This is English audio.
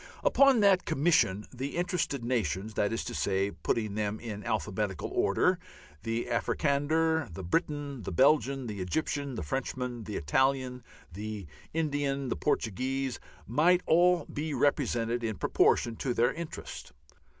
Upon that Commission the interested nations, that is to say putting them in alphabetical order the Africander, the Briton, the Belgian, the Egyptian, the Frenchman, the Italian, the Indian the Portuguese might all be represented in proportion to their interest.